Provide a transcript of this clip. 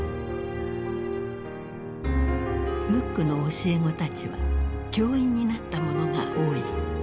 ムックの教え子たちは教員になった者が多い。